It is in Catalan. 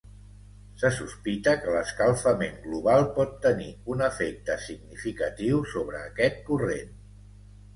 Se sospita que l'escalfament global pot tenir un efecte significatiu sobre aquest corrent.